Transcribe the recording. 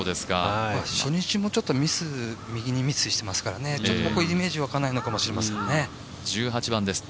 初日もちょっと右にミスしていますからここはイメージがわかないのかもしれないですね。